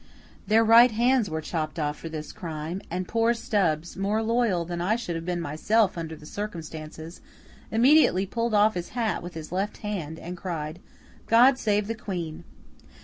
Their right hands were chopped off for this crime; and poor Stubbs—more loyal than I should have been myself under the circumstances—immediately pulled off his hat with his left hand, and cried, 'God save the Queen!